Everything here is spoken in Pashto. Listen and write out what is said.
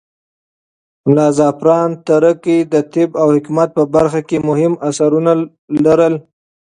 ملا زعفران تره کى د طب او حکمت په برخه کې مهم اثرونه لرل.